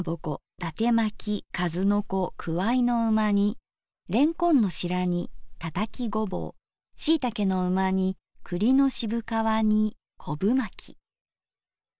伊達まきかずのこくわいの旨煮れんこんの白煮たたきごぼうしいたけのうま煮栗の渋皮煮こぶまき。